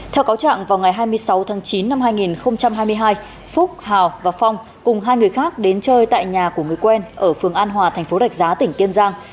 theo cáo trạng vào ngày hai mươi sáu tháng chín năm hai nghìn hai mươi hai phúc hào và phong cùng hai người khác đến chơi tại nhà của người quen ở phường an hòa thành phố rạch giá tỉnh kiên giang